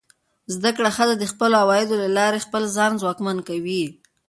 زده کړه ښځه د خپلو عوایدو له لارې خپل ځان ځواکمن کوي.